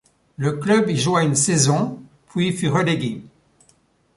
Le club y joua une saison puis fut relégué.